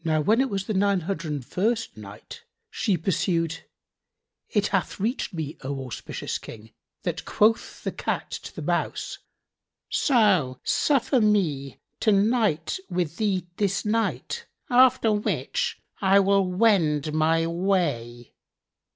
When it was the Nine Hundred and First Night, She pursued: It hath reached me, O auspicious King, that quoth the Cat to the Mouse, "So suffer me to night with thee this night, after which I will wend my way."